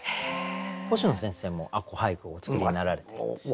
星野先生も吾子俳句をお作りになられてるんですよね？